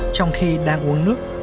trong khi đang uống nước